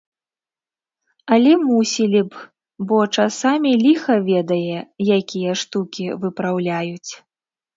Але мусілі б, бо часамі ліха ведае якія штукі выпраўляюць.